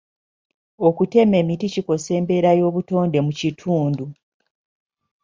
Okutema emiti kikosa embeera y'obutonde mu kitundu.